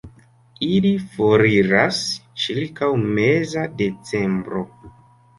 Ili foriras ĉirkaŭ meza decembro.